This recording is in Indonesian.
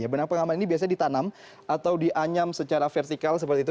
benang pengaman ini biasanya ditanam atau dianyam secara vertikal seperti itu